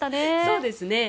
そうですね。